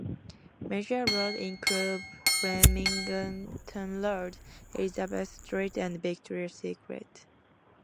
Major roads include Flemington Road, Elizabeth Street and Victoria Street.